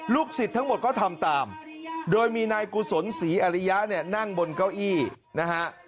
สิทธิ์ทั้งหมดก็ทำตามโดยมีนายกุศลศรีอริยะเนี่ยนั่งบนเก้าอี้นะฮะ